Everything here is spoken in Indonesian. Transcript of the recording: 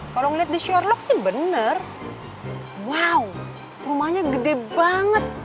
kalau ngeliat di shorlock sih benar wow rumahnya gede banget